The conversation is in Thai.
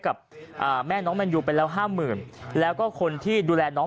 กับอ่าแม่น้องแมนยูไปแล้วห้าหมื่นแล้วก็คนที่ดูแลน้อง